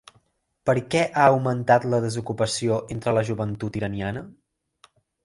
Per què ha augmentat la desocupació entre la joventut iraniana?